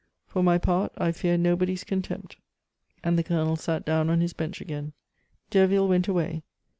For my part, I fear nobody's contempt." And the Colonel sat down on his bench again. Derville went away.